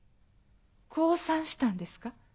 降参したんですか？